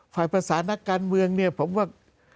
ฝ่ายภาษานักการเมืองผมว่า